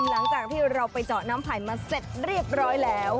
หลังจากที่เราไปเจาะน้ำไผ่มาเสร็จเรียบร้อยแล้ว